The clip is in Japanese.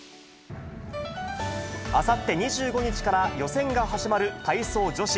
あさって２５日から予選が始まる体操女子。